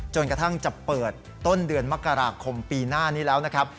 จนกระทั่งจะเปิดต้นเดือนมกราคมปีหน้านี้แล้วนะครับ